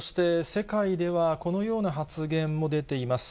世界ではこのような発言も出ています。